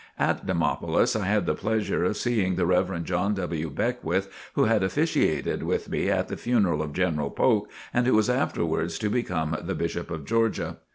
At Demopolis I had the pleasure of seeing the Rev. John W. Beckwith, who had officiated with me at the funeral of General Polk and who was afterwards to become the Bishop of Georgia.